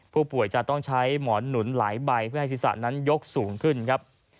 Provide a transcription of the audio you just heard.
ผู้ป่วยจะต้องใช้หมอนหนุนหลายใบเพื่อให้ศีรษะนั้นยกสูงขึ้นครับ